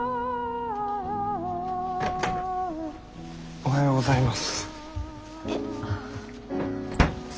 おはようございます。